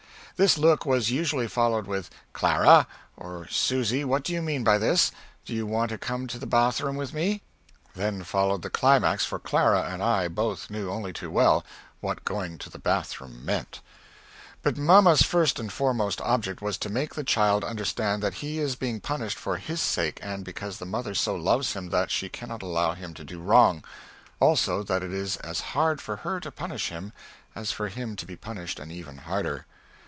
This look was usually followed with "Clara" or "Susy what do you mean by this? do you want to come to the bath room with me?" Then followed the climax for Clara and I both new only too well what going to the bath room meant. But mamma's first and foremost object was to make the child understand that he is being punished for his sake, and because the mother so loves him that she cannot allow him to do wrong; also that it is as hard for her to punish him as for him to be punished and even harder.